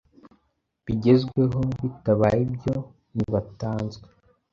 bigezweho Bitabaye ibyontibatanzwe